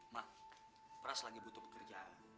mak pras lagi butuh pekerjaan